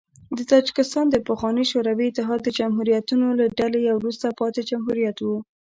تاجکستان د پخواني شوروي اتحاد د جمهوریتونو له ډلې یو وروسته پاتې جمهوریت و.